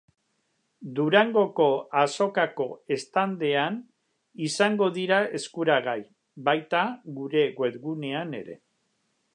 Durangoko Azokako standean izango dira eskuragai, baita gure webgunean ere.